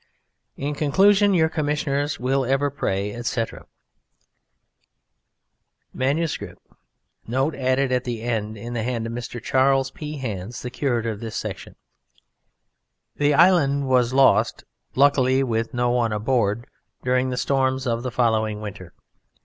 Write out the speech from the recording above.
IN CONCLUSION your Commissioners will ever pray, etc. MS. note added at the end in the hand of Mr. Charles P. Hands, the curator of this section: (_The Island was lost luckily with no one aboard during the storms of the following winter.